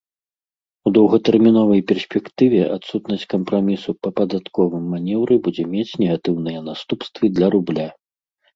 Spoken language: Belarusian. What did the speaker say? У доўгатэрміновай перспектыве адсутнасць кампрамісу па падатковым манеўры будзе мець негатыўныя наступствы для рубля.